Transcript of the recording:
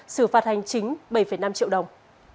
xử phạt hành chính bảy năm triệu đồng